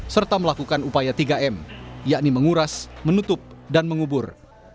serta melakukan upaya tiga m yakni menguras menutup dan mengubur